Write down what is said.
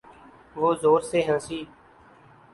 وہ زور سے ہنسی۔